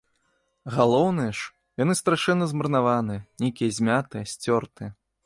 Галоўнае ж, яны страшэнна змарнаваныя, нейкія змятыя, сцёртыя.